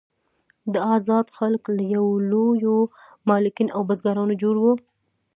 دا آزاد خلک له لویو مالکین او بزګرانو جوړ وو.